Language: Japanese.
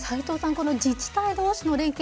この自治体同士の連携